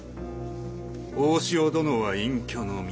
大塩殿は隠居の身。